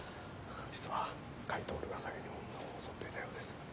実は甲斐享が先に女を襲っていたようです。